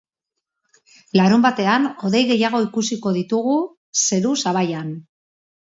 Larunbatean hodei gehiago ikusiko ditugu zeru-sabaian.